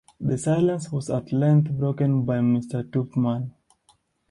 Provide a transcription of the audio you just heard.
The silence was at length broken by Mr. Tupman.